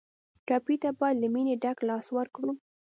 ټپي ته باید له مینې ډک لاس ورکړو.